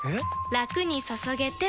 ラクに注げてペコ！